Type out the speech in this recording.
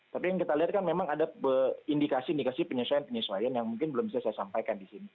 tapi yang kita lihat kan memang ada indikasi indikasi penyesuaian penyesuaian yang mungkin belum bisa saya sampaikan di sini